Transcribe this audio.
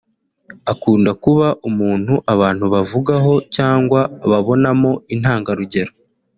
Akunda kuba umuntu abantu bavugaho cyangwa babonamo intangarugero